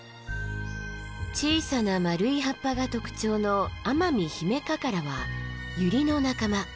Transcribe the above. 小さな円い葉っぱが特徴のアマミヒメカカラはユリの仲間。